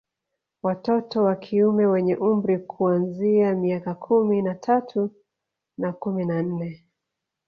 Watoto wa kiume wenye umri kuanzia miaka kumi na tatu na kumi na nne